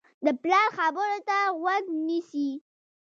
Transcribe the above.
د پلار خبرو ته غوږ نیسي.